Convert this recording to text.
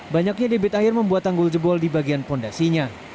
banyaknya debit air membuat tanggul jebol di bagian fondasinya